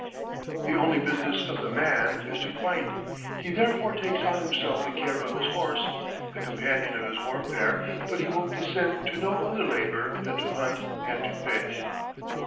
The only business of the man is to fight: he therefore takes on himself the care of his horse, the companion of his warfare, but he will descend to no other labor than to hunt and to fish."